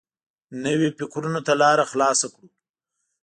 نویو فکرونو ته لاره خلاصه کړو.